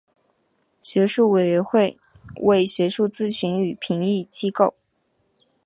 学术委员会为学术咨询与评议机构。